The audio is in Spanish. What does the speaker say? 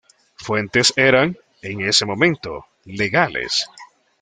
Fuentes eran, en ese momento, legales.